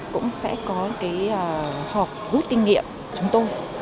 cũng sẽ có cái họp rút kinh nghiệm chúng tôi